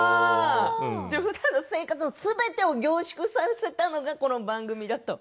ふだんの生活のすべてを凝縮させたのがこの番組だと。